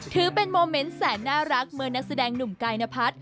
ถือเป็นโมเมนต์แสนน่ารักเมื่อนักแสดงหนุ่มกายนพัฒน์